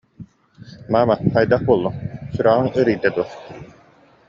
Маама, хайдах буоллуҥ, сүрэҕиҥ ыарыйда дуо